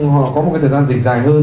họ có một cái thời gian dịch dài hơn